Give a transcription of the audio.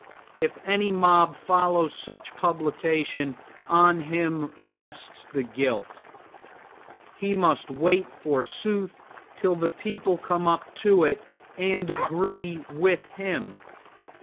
If any mob follows such publication on him rests the guilt. He must wait forsooth till the people come up to it and agree with him.